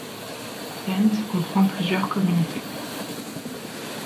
Kent comprend plusieurs communautés.